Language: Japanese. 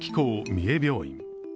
三重病院。